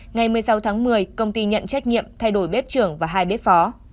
ngày một mươi sáu tháng một mươi công ty nhận trách nhiệm thay đổi bếp trưởng và hai bếp phó